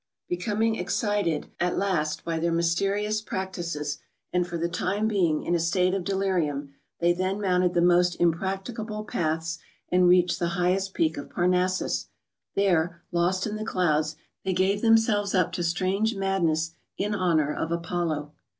Be¬ coming excited at last, by their mysterious practices. 166 MOUNTAIN ADVENTURES. and for the time being, in a state of delirium, they then mounted the most impracticable paths, and reached the highest peak of Parnassus. There, lost in the clouds, they gave themselves up to strange madness in honour of Apollo.